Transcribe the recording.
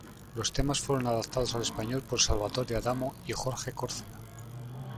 Los temas fueron adaptados al español por Salvatore Adamo y Jorge Córcega.